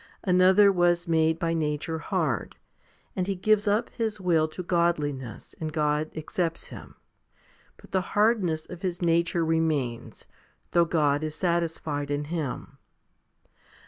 Another was made by nature hard ; and he gives up his will to godliness, and God accepts him ; but the hardness of his nature remains, though God is satis fied in him.